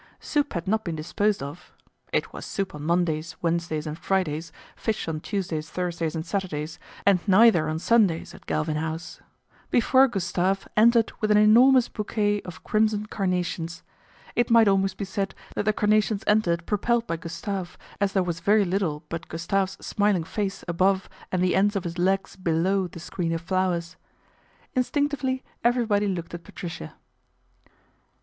Soup had not been disposed of (it was soup on Mondays, Wednesdays, and Fridays ; fish on Tuesdays, Thursdays, and Saturdays, and neither on Sundays at Galvin House) before Gustave entered with an enormous bouquet of crimson carnations. It might almost be said that the carnations entered propelled by Gustave, as there was very little but Gustave's smiling face above and the ends of his legs below the screen of flowers. Instinctively everybody looked at Patricia.